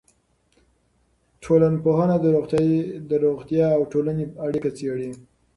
ټولنپوهنه د روغتیا او ټولنې اړیکه څېړي.